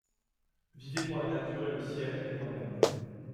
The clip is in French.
Vivez pour la nature, et le ciel, et moi-même!